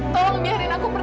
tolong biarin aku pergi